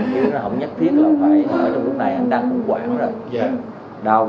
chứ nó không nhất thiết là phải trong lúc này anh đang cũng quảng rồi đau xót